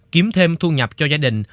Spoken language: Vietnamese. kiếm thêm thu nhập cho gia đình